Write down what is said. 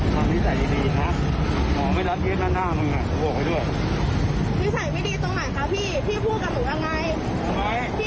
เป็นลูกค้าพี่ไงพี่ต้องให้เกียรติหนูไหม